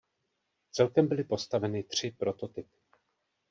Celkem byly postaveny tři prototypy.